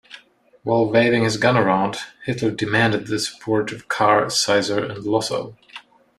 While waving his gun around, Hitler demanded the support of Kahr, Seisser, and Lossow.